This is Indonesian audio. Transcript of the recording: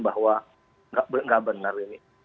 bahwa tidak benar ini